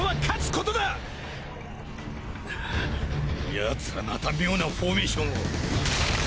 ヤツらまた妙なフォーメーションを。